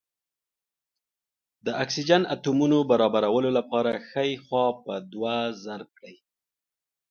د اکسیجن اتومونو برابرولو لپاره ښۍ خوا په دوه ضرب کړئ.